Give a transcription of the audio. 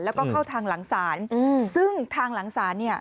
แล้วก็เข้าทางหลังศาลซึ่งทางหลังศาลเนี่ย